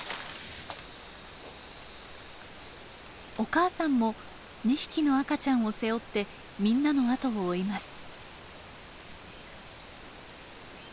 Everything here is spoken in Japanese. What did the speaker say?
お母さんも２匹の赤ちゃんを背負ってみんなの後を追います。